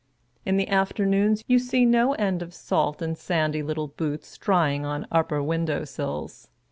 In the afternoons, you see no end of salt and sandy little boots drying on upper window sills.